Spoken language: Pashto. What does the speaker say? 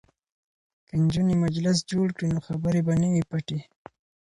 که نجونې مجلس جوړ کړي نو خبرې به نه وي پټې.